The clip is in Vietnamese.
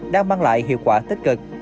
đang mang lại hiệu quả tích cực